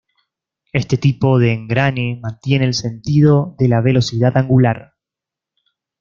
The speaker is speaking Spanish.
Este tipo de engrane mantiene el sentido de la velocidad angular.